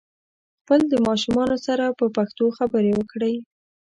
خپل د ماشومانو سره په پښتو خبري وکړئ